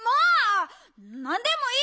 なんでもいいだろ！